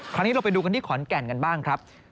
คราวนี้เราไปดูกันที่ขอนแก่นกันบ้างครับ